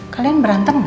kalian berantem gak